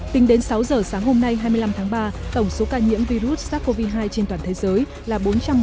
tính đến sáu giờ sáng hôm nay hai mươi năm tháng ba tổng số ca nhiễm virus sars cov hai trên toàn thế giới là bốn trăm một mươi tám hai trăm một mươi chín